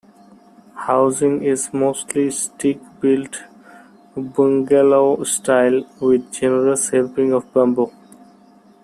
Housing is mostly stick-built bungalow-style with generous helpings of bamboo.